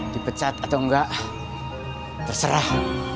dipecat atau enggak terserah